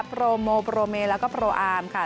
โปรโมโปรเมแล้วก็โปรอาร์มค่ะ